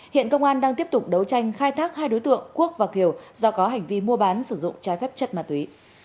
hiện công an đang tiếp tục đấu tranh khai thác hai đối tượng quốc và kiều do có hành vi mua bán sử dụng trái phép chất ma túy